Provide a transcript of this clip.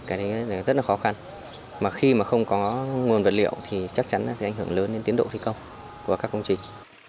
cái đấy rất là khó khăn mà khi mà không có nguồn vật liệu thì chắc chắn là sẽ ảnh hưởng lớn đến tiến độ thi công của các công trình